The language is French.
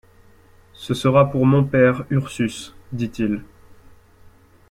Ce sera pour mon père Ursus, dit-il.